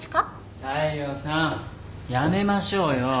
大陽さんやめましょうよ。